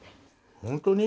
本当に？